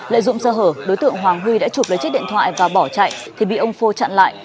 lợi dụng sơ hở đối tượng hoàng huy đã chụp lấy chiếc điện thoại và bỏ chạy thì bị ông phô chặn lại